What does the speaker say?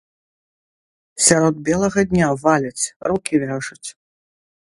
Сярод белага дня валяць, рукі вяжуць!